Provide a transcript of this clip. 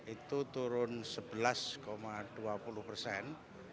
itu turun sebelas dua puluh persen